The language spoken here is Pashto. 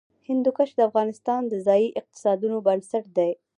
هندوکش د افغانستان د ځایي اقتصادونو بنسټ دی.